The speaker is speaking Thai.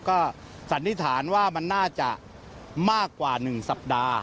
ก็สันนิษฐานว่ามันน่าจะมากกว่า๑สัปดาห์